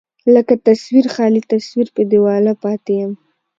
لکه تصوير، خالي تصوير په دېواله پاتې يم